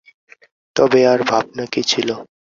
তবে আর ভাবনা কি ছিল?